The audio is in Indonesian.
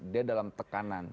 dia dalam tekanan